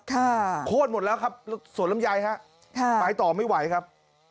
โคตรหมดแล้วครับสวนลำไยฮะค่ะไปต่อไม่ไหวครับ